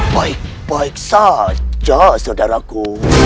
baik baik saja saudaraku